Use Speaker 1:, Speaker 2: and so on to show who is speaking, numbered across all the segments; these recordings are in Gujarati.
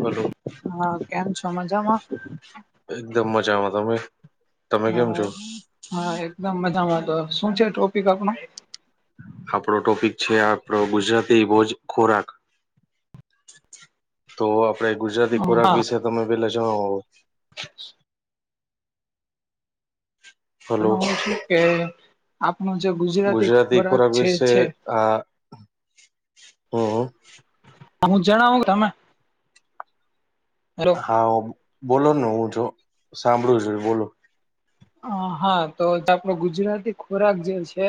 Speaker 1: હલો
Speaker 2: હા કેમ છો મજામા
Speaker 1: એકદમ મજામાં તમે તમે કેમ
Speaker 2: હા
Speaker 1: છો
Speaker 2: હા એકદમ મજામાંતો શું છે ટોપિક આપણો.
Speaker 1: આપડો ટોપિક છે, આપણો ગુજરાતી ભોજ ખોરાક તો આપડે ગુજરાતી ખોરાક વિશે તમે પેલા જણો.
Speaker 2: હ. એ હ
Speaker 1: હલો
Speaker 2: છું કે આપણું જે ગુજરાતી ખોરાક જે છે.
Speaker 1: આ હમ્મ
Speaker 2: હું જણાવું તમે
Speaker 1: હા બોલોને હું જો સાંભળું છું બોલો.
Speaker 2: હ હા તો આપણો ગુજરાતી ખોરાક જે છે.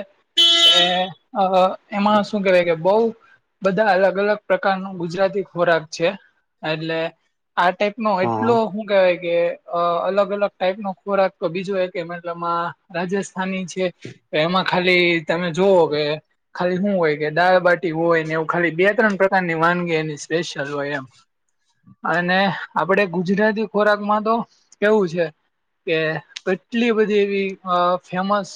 Speaker 2: એ એમાં શું કેવા કે બ બધા અલગ અલગ પ્રકાર ન ગુજરાતી ખોરાક છે એટલે આ ટાઈપનોો એટલો
Speaker 1: હમ
Speaker 2: શું કેહેવાય કે અ અલગ અલગ ટાઈપનોો ખોરાક બીજું એક મતલમાં રાજસ્થાની છે તો એમાં ખાલી તમે જોુવઓ કે. ખાલી શું હોય કે દાળબાટી હોય ને એવું ખાલી બે ત્રણ પ્રકારની વાનગીની સ્પેશિયલ હોય. એમ
Speaker 1: હ.
Speaker 2: અને આપડે ગુજરાતી ખોરાક માં તો કેવું છે, કે. કેટલી બધી એવી અ ફેમસ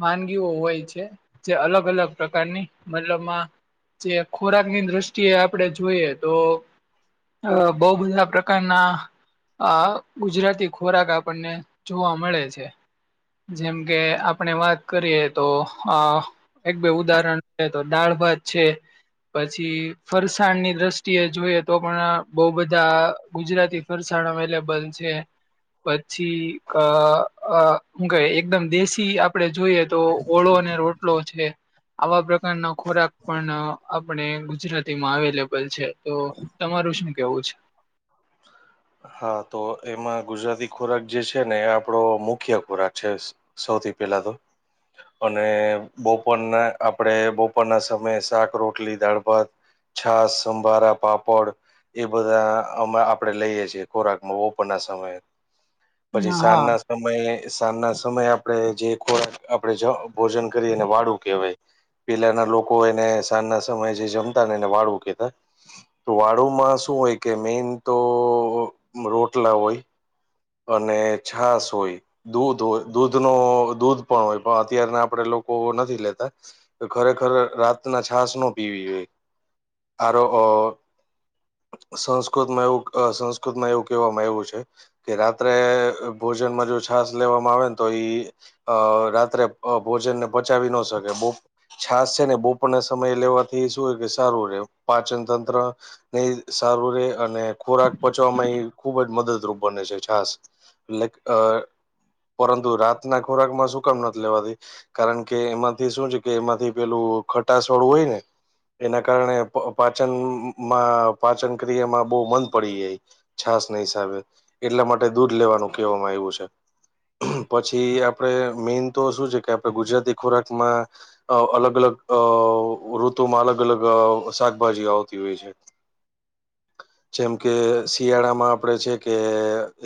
Speaker 2: વાનગીઓ હોય છે જે અલગ અલગ પ્રકારની મતલબમાં જે ખોરાક ની દ્રષ્ટિએ આપણેે જોઈએ તો અહ બહુ બધા પ્રકારના આ ગુજરાતી ખોરાક આપણને જોવા મળે છે જેમ કે આપણે વાત કરીએ તો આ એક બે ઉદાહરણ છે, તો દાળ ભાત છે. પછી ફરસાણ ની દ્રષ્ટિએ જોઈએ તો પણ બહુ બધા ગુજરાતી. ફરસાણ અવેલેબલ છે, પછી ક અહ હું કહેવાય એકદમ દેશી આપ આપડે જોઈએ તો ઓળો અને રોટલો છે. આવા પ્રકારનો ખોરાક પણ આપણે ગુજરાતીમાં અવેલેબલ છે. તો તમારું શું કેવું છે?
Speaker 1: હા. તો એમાં ગુજરાતી ખોરાક જે છે ને એ આપડો મુખ્ય ખોરાક છે. સૌથી પેલા તો. અને બપોરના આપણે બપોરના સમયે શાક, રોટલી, દાળ-ભાત છાશ, સંભારા, પાપડ એ બધા આમાં આપડે લઈએે છે ખોરાકમાં બપોર ના સમયે. પછી
Speaker 2: હા
Speaker 1: સાંજ ના સમયે સાંજ ના સમયે આપણે જે ખોરાક આપડે જ ભોજન કરીએ એને વાળું કહેવાય. પેલાના લોકો એને સાંજ ના સમયે જે જમતા ને એને વાળું કહેતા. તો વાળુમાં શું હોય કે મેઈન તો રોટલા હોય. અને છાશ હોય. દૂધ હોય, દૂધ નો દૂધ પણ હોય, પણ અત્યાર આપણેે લોકો નથી લેતા. તો ખરેખર રાતના છાશ ન પીવી જોઈએ. આરો અહ સંસ્કૃતમાં એવું સંસ્કૃતમાં એવું કહેવામાં આયવું છે કે રાત્રે ભોજનમાં જો છાશ લેવામાં આવે ને તો ઈ અહ રાત્રે ભોજનને પચાવી ન શકે બહું છાસ છે ને બોપોના સમય લેવાથી શું કે સારું રે પાચન તંત્ર નહી સારું રે અને ખોરાક પચવાવામાં એ ખુબ જ મદદરૂપ બને છે છાસ લ અ પરંતુ રાતના ખોરાક માં સુુંકામ નથી લેવાતી. કારણ કે એમાંથી શું છે કે એમાંથી પેલું ખટાાસ વાળું હોય ને. એના કારણે પાચનમાં પાચન ક્રિયામાં બહ મન પડી જાય. છાસ નહી હિસાબે એટલા માટે દૂધ લેવાનું કહેવામાં આવ્યું છે. પછી આપણે મેઈન તો શું છે કે આપણે ગુજરાતી ખોરાકમાં અ અલગ અલગ અ ઋતુમાં અલગ અલગ શાકભાજી આવતી હોય છે. જેમ કે શિયાળામાં આપડે છે કે.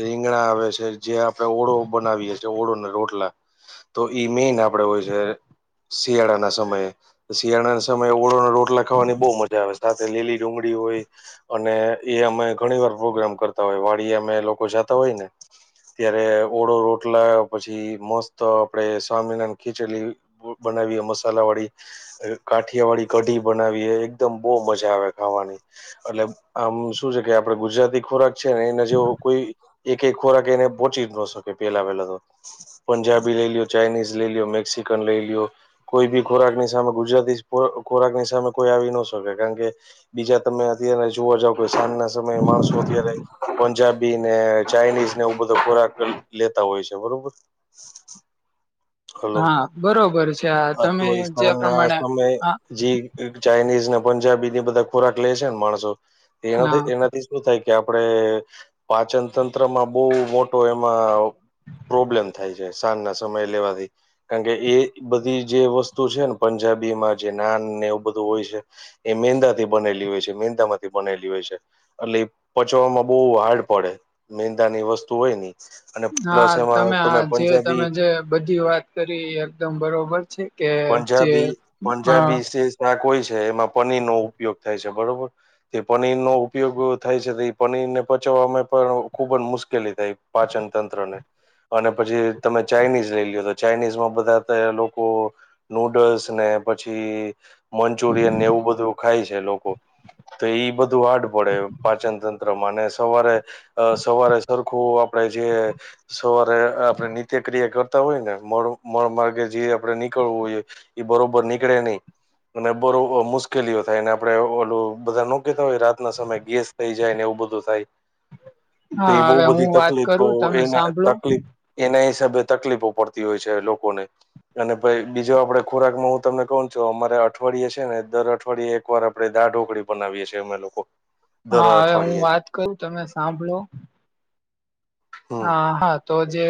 Speaker 1: રીંગણા આવે છે જે આપડણે ઓળો બનાવીએ છીએ ઓળોને રોટલા. તો ઈ મેન આપડે હોય છે, શિયાળાના સમયે શિયાળાના. સમય ઓળો રોટલા ખવાની બહ મજા આવે. લીલી ડુંગળી હોય અને એ અમે ઘણી વાર પ્રોગ્રામ કરતા હોય વાળ અમે લોકો કો જતા હોય ને. ત્યારે ઓડો રોટલા પછી મસ્ત આપડે સ્વામિનારાયણ ખીચેલી બનાવીએ મસાલા વાળી. કાઠિયા વાળી કઢી બનાવીએ એકદમ બહુ મજા આવે ખાવાની. એટલે આમ શું છે કે આપડે ગુજરાતી ખોરાક છે ને એને જેવ કોઈ એ કઈ ખોરાક એને પોંચી જ ન શકે પેલા પેલા તો. પંજાબી લઈ લ્યો ચાઇનીઝ લઈ લ્યો મેક્સિકન લઈ લિ્યો. કોઈ બી ખોરાકની સામે ગુજરાતી ખોરાકની સામે કોઈ આવી ન શકે કારણ કે. બીજા તમે અત્યારે જોવા જાવ કે સાંજ ના સમયે માણસો અત્યારે પંજાબ ચાઇનીઝ ને એ બધો ખોરાક લેતા હોય છે બરોબર હલો,
Speaker 2: હા બરોબર છે આ
Speaker 1: હા તો
Speaker 2: તમે જે
Speaker 1: ઈશાન ના
Speaker 2: પ્રમાણે
Speaker 1: સમય
Speaker 2: હા
Speaker 1: જી ચાઇનીઝ ને પંજાબીની બધા ખોરાક લે છે ને માણસો
Speaker 2: હા
Speaker 1: એનાથી એનાથી એવું થાય કે આપડે પાચન તંત્રમાં બહુ મોટો એમાં. પ્રોબ્લેમ થાય છે સાંજ ના સમય લેવાથી. કારણ કે એ બધી જે વસ્તુ છે ને પંજાબી માં જે નાન ને એવું બધું હોય છે. એ મંદા થી બનેલી હોય છે મંદા માંથી બનેલી હોય છે. એટલે પચવામાં બહુ હાર્ડ પડે મેંદાની વસ્તુ હોય ની. અને
Speaker 2: હા
Speaker 1: પ્લસ એમાં
Speaker 2: તમે જે
Speaker 1: પંજાબી
Speaker 2: તમે જે બધી વાત કરી એકદમ બરોબર છે. કે જે
Speaker 1: પંજાબી
Speaker 2: હા
Speaker 1: પંજાબી જે શાક હોય છે એમાં પનીર નો ઉપયોગ થાય છે બરોબર. તે પનીર નો ઉપયોગ થાય છે તે એ પનીર ને પચાવવામાં પણ ખુબ જ મુશ્કેલી થાય. પાચન તંત્ર ને અને પછી તમે ચાઈનીઝ લઈ. ચાઇનીઝ માં બધા તા લોકો નૂડલ્સ ને પછી. મંચુરિયન એવું બધું. ખાય છે લોકો તો ઈ બધું હાર્ડ પડે પાચન તંત્રમાં અને સવારે અ સવારે સરખું આપડે જે સવારે આપણે નિત્યક્રિયા કર. હોય ને મો માર્ગે જે આપડે નીકળવું હોઈ એ બરોબર નીકળે નહીં. અને બો મુશ્કેલીઓ થાયને આપડે ઓલું બધા ન કતા હોય રાતના સમયે ગેસ. થઈ જાય ને એવું બધું થાય તો
Speaker 2: હા
Speaker 1: એ બહુ
Speaker 2: હવે હું
Speaker 1: બધી
Speaker 2: વાત
Speaker 1: તકલીફ
Speaker 2: કરું તમે
Speaker 1: એના
Speaker 2: સાંભળો
Speaker 1: તકલીફ. એના હિસાબે તકલીફો પડતી હોય છે લોકોને. અને પાઈ બીજો આપડે ખોરાક માં હું તમને કોણ છું અમારે અઠવાડિયે છે ને દર અઠવાડિે એક વાર આપણે દાળ ઢોકળી બનાવીએ છીએ અમે લોકો. દર
Speaker 2: હા હવે હું
Speaker 1: અઠવાડિયે
Speaker 2: વાત કરું તમે સાંભળો. હ
Speaker 1: હમ
Speaker 2: હા તો જે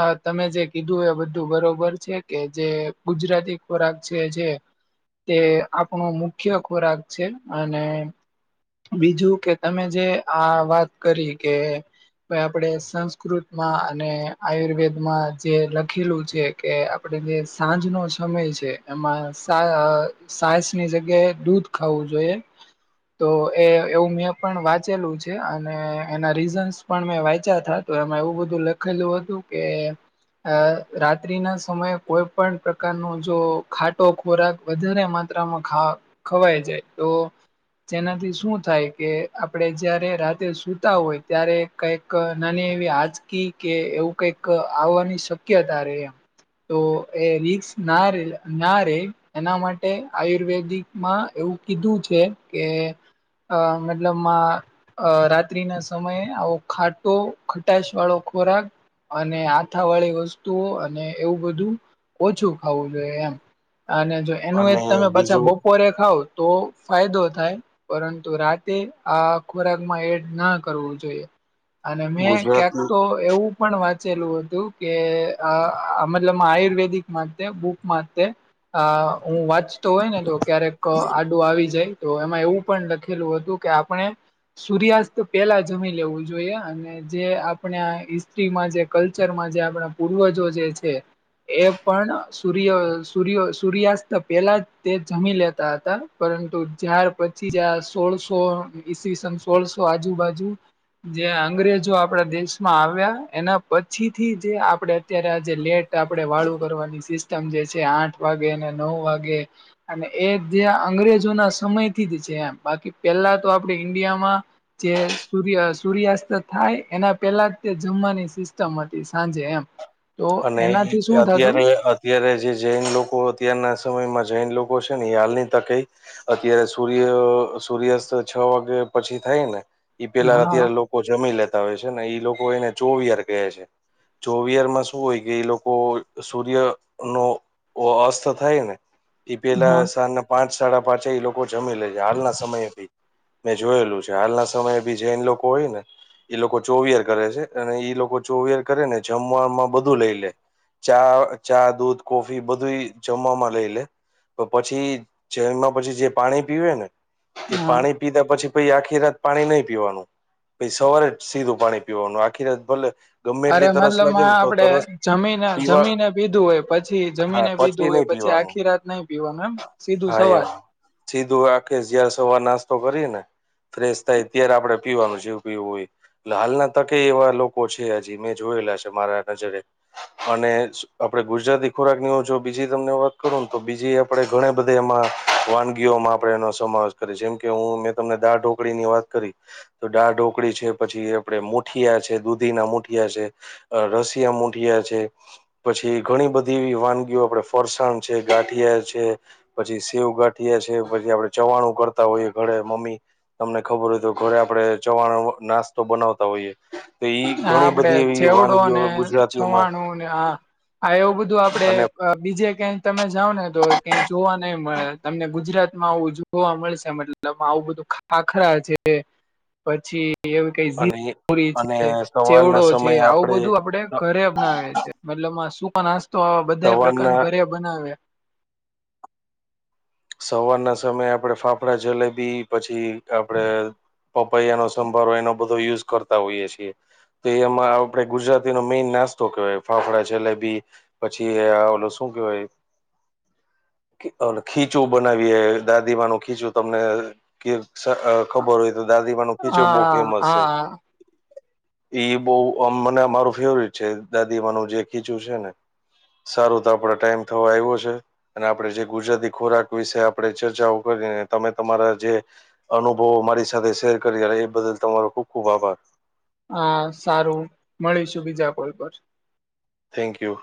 Speaker 2: અ તમે જે કીધું એ બધું બરોબર છે કે જે. ગુજરાતી ખોરાક છે જે. તે આપણો મુખ્ય ખોરાક છે અને બીજું કે તમે જે આ વાત કરી કે આપડે સંસ્કૃતમાં અને આયુર્વેદમાં જે લખેલું છે કે. આપણે જે સાંજ નો સમય છે એમાં સા સાજની જગ્યાએ દૂધ. ખાવું જોઈએ. તો એ એવું મેં પણ વાંચેલું છે અને એના રીઝન્સ પણ મેં વાંચ્યા હતા. તો એમાં એવું બધું લખેલું હતું કે. અ રાત્રિ ના સમયે કોઈ પણ પ્રકારનો જો ખાટો ખોરાક વધારે માત્રામાં ખા ખવાઈ જાય તો‌. જેનાથી શું થાય કે આપડે જયારે રાતે સુૂતા હોય ત્યારે કઈક નાની આજકી કે એવું કઈક આવવાની શક્યતા રે એમ. તો એ રિકસ ના રે ના રે એના માટે આયુર્વેદિક માં એવું કીધું છે કે. અ મતલબમાં અ રાત્રિ ના સમયે આવો ખાટો ખટાશ વાળો ખોરાક અને આથા વાળી વસ્તુઓ અને એવું બધું ઓછું. ખાવું જોઈએ એમ અને જો એનું એ
Speaker 1: અને
Speaker 2: તમે પછા
Speaker 1: બીજું
Speaker 2: બપોરે ખાવ. તો ફાયદો થાય. પરંતુ રાતે આ ખોરાકમાં એડ ના કરવું જોઈએ. અને મેં ક્યાંક
Speaker 1: ગુજરાતનું
Speaker 2: તો એવું પણ વાંચેલું હતું કે અ મતલબ માં આયુર્વેદિક માતે બુક માતે આ હું વાંચતો હોય ને તો ક્યારેક આડું આવી જાય તો એમાં એવું પણ લખેલું હતું કે, આપણે સૂર્યાસ્ત પેલા જમી લેવું જોઈએ અને જે આપણે આ હિસ્ટ્રીમાં જે કલ્ચરમાં જે આપણા પૂર્વજો જે છે એ પણ સૂર્ય સૂર્ય સૂર્યાસ્ત પેલા જ તે જમી લેતા હતા પરંતુ જ્યાર પછી જ આ સોળસો ઈસવીસન સોળસો આજુબાજુ જે આ અંગ્રેજો આપ આપડા દેશમાં આવ્યા, એના પછીથી જે આપડે અત્યારે આજે લેટ આપડે વાળું કરવાની સિસ ટમ જે છે આઠ વાગે અને નવ વાગે. અને એ જે અંગ્રેજો ના સમયથી જ છે એમ, બાકી પેલા તો આપડે ઈન્ડિયામાં જે સૂર્ય સૂર્યાસ્ત થાય એના પહેલા જ તે જમવાની સિસ્ટમ હતી સાંજે એમ. તો
Speaker 1: અને
Speaker 2: એનાથી શું થતું
Speaker 1: અત્યારે અત્યારે જે જૈન લોકો અત્યારના સમયમાં જૈન લોકો છે ને એ હાલની તકે અત્યારે સૂર્ય સૂર્યાસ્ત છ વાગે પછી થાય ને. ઈ પેલા
Speaker 2: હા
Speaker 1: અત્યારે લોકો જમી લેતા હોય છે ને ઈ લોકો એને ચોવીયાર કહે છે. ચોવીયારમાં શું હોય કે, એ લોકો સૂર્યનો ઓ અસ્ત થાય ને, ઈ પેલા
Speaker 2: હા
Speaker 1: સાજના પાંચ સાડા પાંચ એ લોકો જમી લે છે હાલના સમયેથી. મે જોયેલું છે હાલના સમયે બી જૈન લોકો હોય ને. એ લોકો ચોવીયાર કરે છે અને ઈ લોકો ચોવીયાર કરે ને જમવામાં બધું લઈ લે. ચા-ચા દૂધ કોફી બધુય જમવામાં લઈ લે. તો પછી જૈનમાં પછી જે પાણી પીવે ને, તે
Speaker 2: હા
Speaker 1: પાણી પીધા પછી પહી આખી રાત પાણી નઈ પીવાનું. પછી સવારે જ સીધું પાણી પીવાનું, આખી રાત ભલે ગમે
Speaker 2: અરે
Speaker 1: એટલી તરસ લાગે
Speaker 2: મતલબમાં
Speaker 1: ને તો
Speaker 2: આપડે
Speaker 1: તરસ પીવા
Speaker 2: જમીને-જમીને પીધું હોય પછી
Speaker 1: હા
Speaker 2: જમીને પીધું હોય,
Speaker 1: નહી
Speaker 2: પછી આખી
Speaker 1: પીવાનું
Speaker 2: થી રાત નઈ પીવાનું એમ સીધું
Speaker 1: હા એમ
Speaker 2: સવાર.
Speaker 1: સીધું આખે ઝયાર સવાર નાસ્તો કરીએ ને. ફ્રેશ થાય ત્યારે આપડે પીવાનું જેવું પીવું હોય ઈ એટલે હાલના તકે એવા લોકો છે. થયા જી મે જોયેલા છે મારા નજરે. અને આપડે ગુજરાતી ખોરાકનો જો બીજી તમને વાત કરું ને તો બીજી આપ આપડે ઘણે બધે એમાં વાનગીઓમાં આપડે એનો સમાવેશ કરીએ જેમ કે હું મેં તમને દાળ-ઢોકળીની વાત કરી. તો દાળ-ઢોકળી છે, પછી આપડે મુઠિયા છે, દૂ ધીના મૂઠિયા છે, અ રશિયા મૂઠિયા છે. પછી ઘણી બધી વાનગીઓ આપડે ફરસાણ છે ગાઠિયા છે. પછી સેવ-ગાંઠીયા છે પછી આપડે ચવાણું કરતા હોઈએ ઘરે મમ્મી તમને ખબર હોય તો ઘરે આપડે ચવાણુ નાસ્તો બનાવતા હોઈએ. તો ઈ
Speaker 2: હા,
Speaker 1: ઘણી
Speaker 2: આપડે
Speaker 1: બધી એવી વાનગીઓ
Speaker 2: ચેવડોને
Speaker 1: ગુજરાતીમાં
Speaker 2: છવાણુંને આ આ એવું બધું આપડે
Speaker 1: અને
Speaker 2: અ બીજે ક્યાય તમે જાવ ને તો કયાય જોવા નઈ મળે તમને ગુજરાત એમાં આવું જોવા મળશે મતલબ આવું બધું ખાખરા છે, પછી એવી કે
Speaker 1: અને અને
Speaker 2: ઝી
Speaker 1: સવારના
Speaker 2: ચેવડો છે,
Speaker 1: સમયે
Speaker 2: આવું
Speaker 1: આપણે
Speaker 2: બધું આપડે ઘરે બનાવે છે, મતલબમાં સૂકા નાસ્તો આવા બધાય પ્રકાર
Speaker 1: સવારના
Speaker 2: ઘરે બનાવે.
Speaker 1: સવારના સમયે આપડે ફાફડા-જલેબી પછી આપડે પપૈયાનો સંભારો એનો બધો યુઝ કરતા હોઈએ છીએ. તે એમાં આપડે ગુજરાતીનો મેઈન નાસ્તો કહેવાય ફાફડા-જલેબી પછી આ ઓલુ શું કેવાય, ખી ઓલુ ખી ચું બનાવીએ દાદીમાનું ખીચું તમને સ અ ખબર હોય તો દાદીમાનું ખીચુ બઉ
Speaker 2: હા
Speaker 1: ફેમસ શે.
Speaker 2: હા
Speaker 1: ઈ બહ મને અમારું ફેવરિટ છે દાદી મનું જે ખીચું છે ને. સારો તો આપડા ટાઈમ થવા આવ્યો છે અને આપડે જે ગુજરાતી ખોરાક વિશે આપે ચર્ચાઓ કરીને તમે તમારા જે અનુભવો મારી સાથે શેર કરી એ બદલ તમારો ખુબ ખુબ આભાર.
Speaker 2: હા સારું મળીશું બીજા કોઈ પર.
Speaker 1: Thank you.